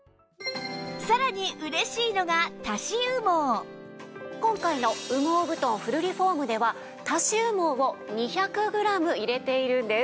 さらに嬉しいのが今回の羽毛布団フルリフォームでは足し羽毛を２００グラム入れているんです。